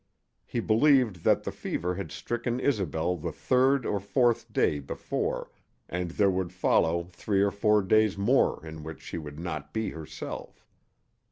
He believed that the fever had stricken Isobel the third or fourth day before, and there would follow three or four days more in which she would not be herself.